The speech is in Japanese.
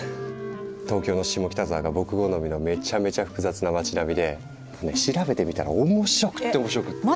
東京の下北沢が僕好みのめちゃめちゃ複雑な町並みで調べてみたら面白くって面白くって。